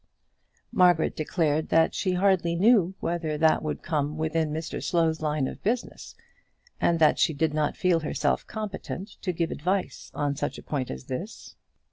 Margaret declared that she hardly knew whether that would come within Mr Slow's line of business, and that she did not feel herself competent to give advice on such a point as that.